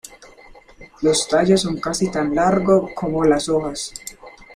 Los tallos son casi tan largo como las hojas.